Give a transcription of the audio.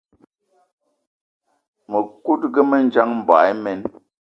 Mëkudgë mendjang, mboigi imen.